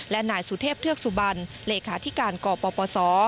บุธเทพเทือกสุบันเลขาธิการกปปศ